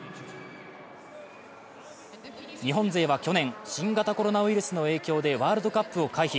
日本勢は去年、新型コロナウイルスの影響でワールドカップを回避。